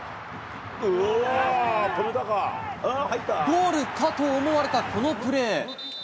ゴールかと思われたこのプレー。